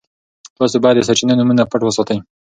تاسي باید د سرچینو نومونه پټ وساتئ.